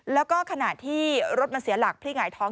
แล้วก็ขณะที่รถมันเสียหลักพลิกหงายท้อง